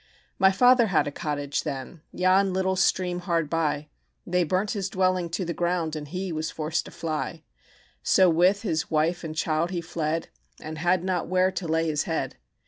"My father had a cottage then, Yon little stream hard by, They burnt his dwelling to the ground, And he was forced to fly; So with his wife and child he fled, And had not where to lay his head.